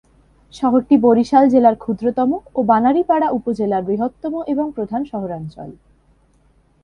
শহরটি বরিশাল জেলার ক্ষুদ্রতম ও বানারীপাড়া উপজেলার বৃহত্তম এবং প্রধান শহরাঞ্চল।